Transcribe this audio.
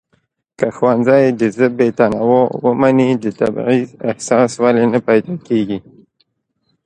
که ښوونځی د ژبې تنوع ومني د تبعيض احساس ولې نه پيدا کيږي؟